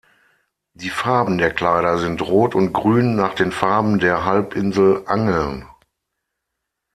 Die Farben der Kleider sind rot und grün nach den Farben der Halbinsel Angeln.